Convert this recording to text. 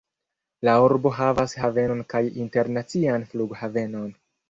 La urbo havas havenon kaj internacian flughavenon.